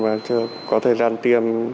và chưa có thời gian tiêm